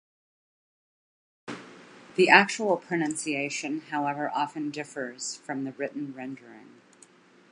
The actual pronunciation, however, often differs from the written rendering.